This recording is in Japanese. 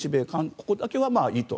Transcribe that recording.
ここだけはいいと。